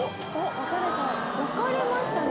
分かれましたね。